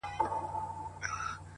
داسي څانګه به له کومه څوک پیدا کړي،